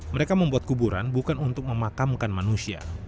mereka membuat kuburan bukan untuk memakamkan manusia